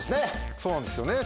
そうなんですよね